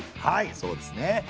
はいそうですね。